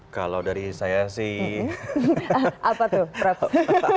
kalau dari saya sih